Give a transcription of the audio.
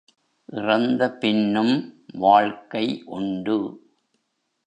இறந்த பின்னும் வாழ்க்கை உண்டு...